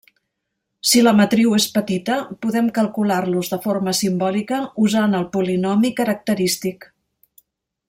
Si la matriu és petita, podem calcular-los de forma simbòlica usant el polinomi característic.